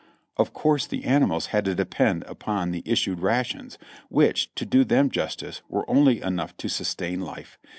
Of course the animals had to depend upon the issued rations, which, to do them justice, were only enough to sustain life.